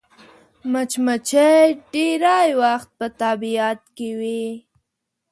مچمچۍ ډېری وخت په طبیعت کې وي